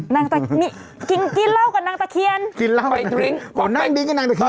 นางตะเคียนนี่กินเหล้ากับนางตะเคียนไปดริ้งโหนั่งดิ้งกับนางตะเคียน